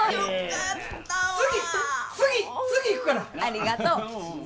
ありがとう。